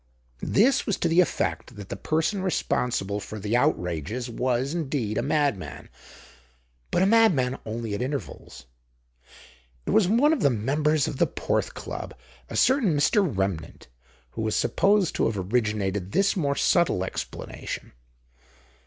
This was to the effect that the person responsible for the outrages was, indeed, a madman; but a madman only at intervals. It was one of the members of the Porth Club, a certain Mr. Remnant, who was supposed to have originated this more subtle explanation.